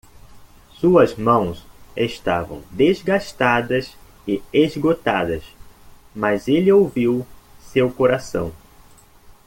Suas mãos estavam desgastadas e esgotadas, mas ele ouviu seu coração.